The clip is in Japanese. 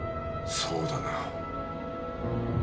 そうだな。